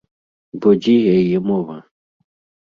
Бо дзе яе мова?